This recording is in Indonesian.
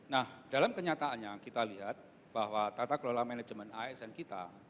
nah dalam kenyataannya kita lihat bahwa tata kelola manajemen asn kita